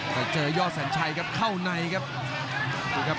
จะเจอยอดแสนชัยครับเข้าในครับ